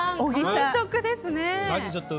完食ですね。